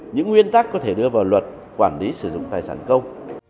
những nguyên tắc có thể đưa vào luật quản lý sử dụng tài sản công